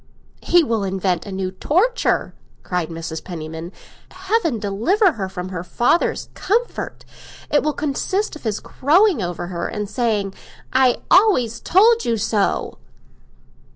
"He will invent a new torture!" cried Mrs. Penniman. "Heaven deliver her from her father's comfort. It will consist of his crowing over her and saying, 'I always told you so!